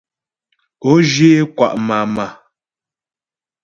Ǒ zhyə é kwà' màmà.